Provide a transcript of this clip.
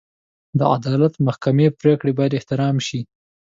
د عدالت محکمې پرېکړې باید احترام شي.